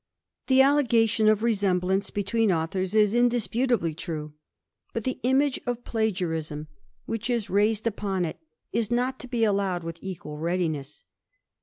The allegation of resemblance between authors, is indis putably true ; but the image of plagiarism, which is raised 234 THE ADVENTURER, upon it, is not to be allowed with equal readiness.